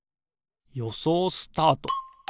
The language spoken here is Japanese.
よそうスタート。